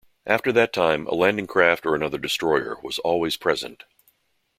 After that time, a landing craft or another destroyer was always present.